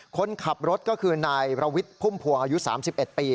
คนขับรถก็คือนายประวิทย์พุ่มพวงอายุ๓๑ปี